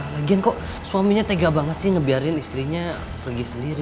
lagian kok suaminya tega banget sih ngebiarin istrinya pergi sendiri